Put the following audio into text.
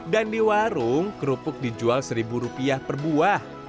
dan di warung kerupuk dijual rp satu per buah